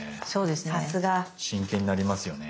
真剣になりますよね。